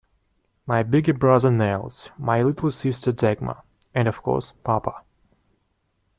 My big brother Nels, my little sister Dagmar, and of course, Papa.